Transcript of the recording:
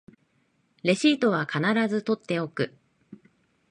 レシートは必ず取っておく